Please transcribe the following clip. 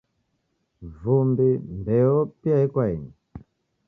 Vumbi, Mbeo pia yekwaeni.